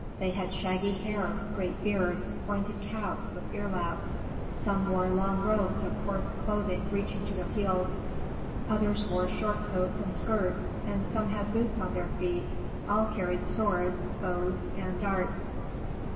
They had shaggy hair, great beards, pointed caps with ear laps; some wore long robes of coarse cloth reaching to their heels; others wore short coats and skirts, and some had boots on their feet. All carried swords, bows, and darts.